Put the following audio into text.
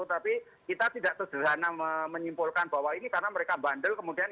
tapi kita tidak sederhana menyimpulkan bahwa ini karena mereka bandel kemudian